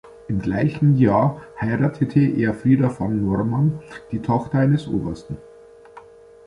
Im gleichen Jahr heiratete er Frida von Normann, die Tochter eines Obersten.